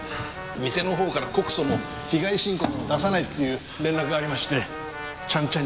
店のほうから告訴も被害申告も出さないっていう連絡がありましてちゃんちゃんになりました。